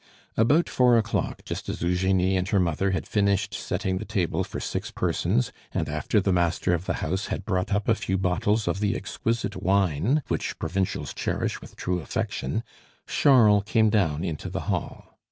About four o'clock, just as Eugenie and her mother had finished setting the table for six persons, and after the master of the house had brought up a few bottles of the exquisite wine which provincials cherish with true affection, Charles came down into the hall.